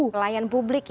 pelayan publik ya